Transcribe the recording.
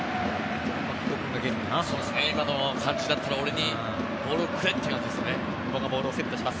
今の感じだったら俺にボールをくれ！って感じですよね。